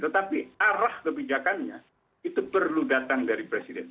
tetapi arah kebijakannya itu perlu datang dari presiden